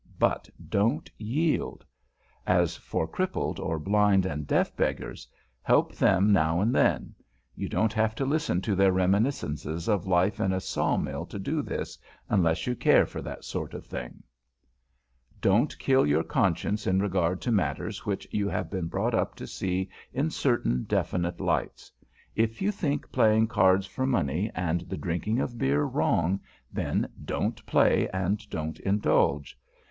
But don't yield. As for crippled or blind and deaf beggars, help them now and then. You don't have to listen to their reminiscences of Life in a Saw mill to do this, unless you care for that sort of thing. [Sidenote: QUESTIONS OF CONSCIENCE YOUR OWN BUSINESS] Don't kill your conscience in regard to matters which you have been brought up to see in certain definite lights. If you think playing cards for money and the drinking of beer wrong, then don't play and don't indulge.